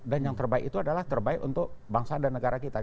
dan yang terbaik itu adalah terbaik untuk bangsa dan negara kita